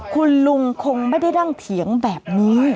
คุณลุงคงไม่ได้นั่งเถียงแบบนี้